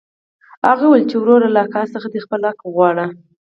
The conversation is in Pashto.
هغه وويل چې وروره له اکا څخه دې خپل حق وغواړه.